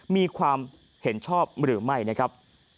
มีความเห็นชอบหรือไม่นะครับ